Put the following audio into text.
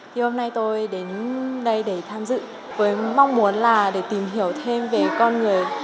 thì hôm nay tôi đến đây để tham dự với mong muốn là để tìm hiểu thêm về con người